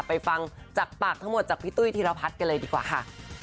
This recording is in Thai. ฟังจากปากทั้งหมดจากพี่ตุ้ยธีรพัฒน์กันเลยดีกว่าค่ะ